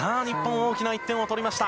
大きな１点を取りました。